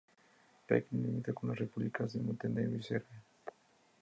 Peć limita con las Repúblicas de Montenegro y Serbia.